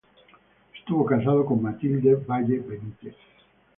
Estuvo casado con Matilde Valle Benítez.